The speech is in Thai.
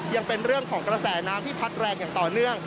ยังเป็นเรื่องของกระแสน้ำที่พัดแรงอย่างต่อเนื่อง